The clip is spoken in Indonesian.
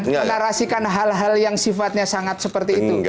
menarasikan hal hal yang sifatnya sangat seperti itu